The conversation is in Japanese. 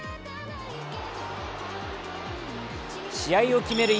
試合を決める